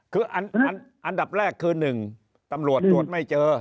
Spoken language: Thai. คืออันดับแรกคือ๑ตำรวจตรวจไม่เจอ